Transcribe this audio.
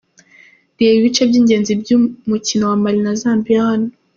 Reba ibice by'ingenzi by'umukino wa Mali na Zambia hano:.